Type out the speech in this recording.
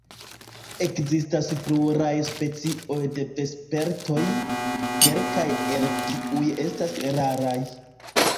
Ekzistas pluraj specioj de vespertoj, kelkaj el kiuj estas raraj.